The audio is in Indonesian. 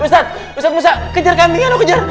eh ustadz ustadz musa kejar kambingnya lu kejar